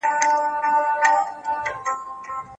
روضه بې کوترو نه وي.